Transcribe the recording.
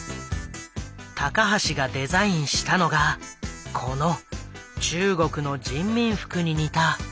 高橋がデザインしたのがこの中国の人民服に似た赤い制服。